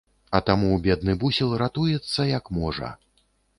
А таму бедны бусел ратуецца, як можа.